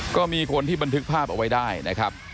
ก็มีคนที่บันทึกภาพเอาไว้ได้นะครับ